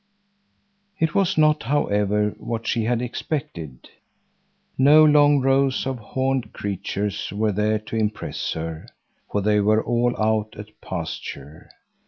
It was not, however, what she had expected. No long rows of horned creatures were there to impress her, for they were all out at pasture.